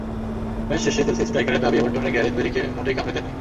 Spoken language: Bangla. ম্যাচ শেষে চেলসি স্ট্রাইকারের দাবি, এভারটনের গ্যারেথ ব্যারিকে মোটেই কামড়ে দেননি।